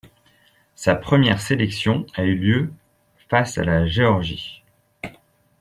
Sa première sélection a eu lieu le face à la Géorgie.